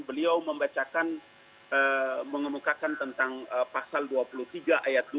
beliau membacakan mengemukakan tentang pasal dua puluh tiga ayat dua